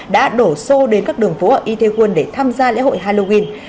đã đổ xô đến các đường phố ở itaewon để tham gia lễ hội halloween